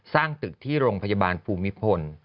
สร้างตึกที่โรงพยาบาลภูมิพล